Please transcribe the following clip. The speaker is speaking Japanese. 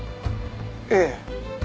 ええ。